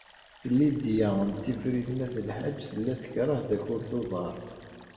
Lidya n Tifrit n At Lḥaǧ tella tekṛeh takurt n uḍar.